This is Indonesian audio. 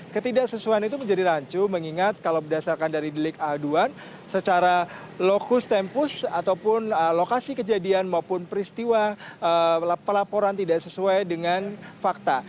ketidaksesuaian itu menjadi rancu mengingat kalau berdasarkan dari delik aduan secara lokus tempus ataupun lokasi kejadian maupun peristiwa pelaporan tidak sesuai dengan fakta